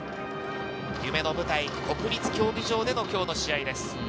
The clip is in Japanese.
夢の舞台、国立競技場での今日の試合です。